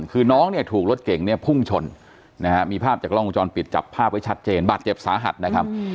คือน้องเนี่ยถูกรถเก่งเนี่ยพุ่งชนนะฮะมีภาพจากล้องวงจรปิดจับภาพไว้ชัดเจนบาดเจ็บสาหัสนะครับ